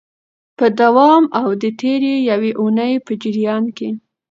په دوام د تیري یوې اونۍ په جریان کي